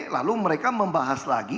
lalu mereka membahas lagi